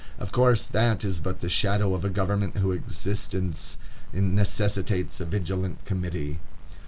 Of course, that is but the shadow of a government whose existence necessitates a Vigilant Committee.